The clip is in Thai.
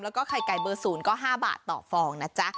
แล้วก็ไข่ไก่เบอร์๐ก็๕บาทต่อฟองนะจ๊ะ